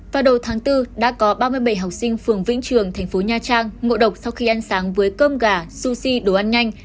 vào đầu tháng bốn đã có ba mươi bảy học sinh phường vĩnh trường thành phố nha trang ngộ độc sau khi ăn sáng với cơm gà sushi đồ ăn nhanh